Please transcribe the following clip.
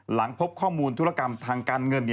หลังพบข้อมูลธุรกรรมทางการเงิน